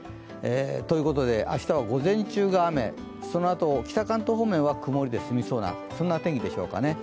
ということで明日は午前中が雨、そのあと北関東方面は曇りで済みそうな天気でしょうかね。